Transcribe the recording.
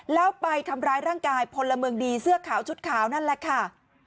แล้วไปทำร้ายร่างกายพลเมืองดีเสื้อขาวชุดขาวนั่นแหละค่ะ